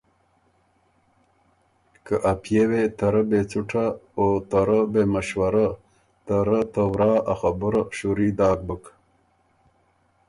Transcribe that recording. که ا پئے وې ته رۀ بې څُټه اوته رۀ بېمشورۀ ته رۀ ته ورا ا خبُره شوري داک بُک۔